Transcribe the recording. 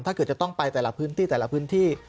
จะต้องไปแต่ละพื้นที่แต่ละพื้นที่